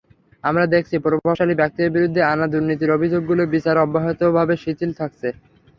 আমরা দেখছি, প্রভাবশালী ব্যক্তিদের বিরুদ্ধে আনা দুর্নীতির অভিযোগগুলোর বিচার অব্যাহতভাবে শিথিল থাকছে।